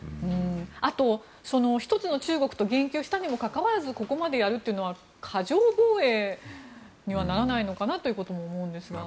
あと、１つの中国と言及したにもかかわらずここまでやるのは過剰防衛にはならないのかなということも思うんですが。